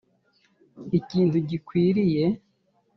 ikintu gikwiriye.